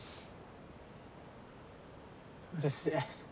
うるせぇ。